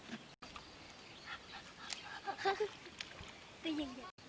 อุ๊ยเรื่องรุ่นช่วยก้องก่อน